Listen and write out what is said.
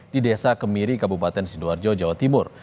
di desa kemiri kabupaten sidoarjo jawa timur